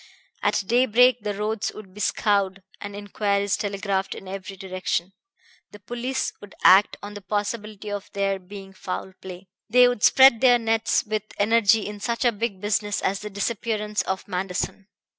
At daybreak the roads would be scoured and inquiries telegraphed in every direction. The police would act on the possibility of there being foul play. They would spread their nets with energy in such a big business as the disappearance of Manderson.